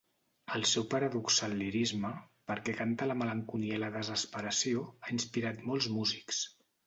El seu paradoxal lirisme, perquè canta la malenconia i la desesperació, ha inspirat molts músics.